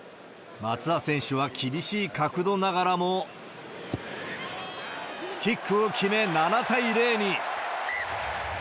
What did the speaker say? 松田選手は厳しい角度ながらも、キックを決め、７対０に。